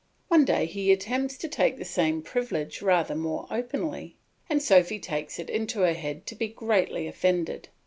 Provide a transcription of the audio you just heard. One day he attempts to take the same privilege rather more openly, and Sophy takes it into her head to be greatly offended.